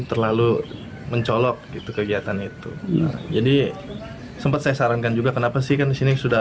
terlalu mencolok itu kegiatan itu jadi sempat saya sarankan juga kenapa sih kan disini sudah